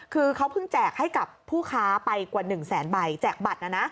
คือเขาเพิ่งแจกให้กับผู้ค้าไปกว่า๑แสนใบแจกบัตรนะนะ